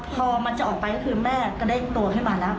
พอมันจะออกไปก็คือแม่ก็ได้ตัวขึ้นมาแล้ว